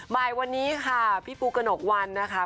ใบวันนี้ค่ะพี่ปูกระหนกวันค่ะ